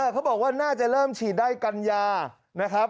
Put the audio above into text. เขาบอกว่าน่าจะเริ่มฉีดได้กัญญานะครับ